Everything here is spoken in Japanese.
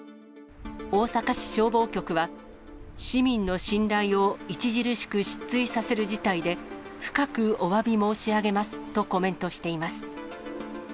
大阪市消防局は、市民の信頼を著しく失墜させる事態で、深くおわび申し上げますとコメントしています。